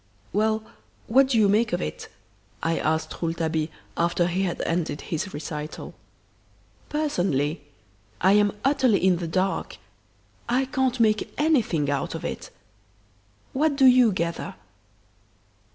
"Well, what do you make of it?" I asked Rouletabille, after he had ended his recital. "Personally I am utterly in the dark. I can't make anything out of it. What do you gather?"